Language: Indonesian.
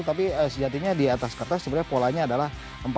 tapi sejatinya di atas kertas polanya adalah empat tiga tiga